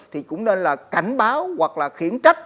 thì cũng nên là cảnh báo hoặc là khiển trách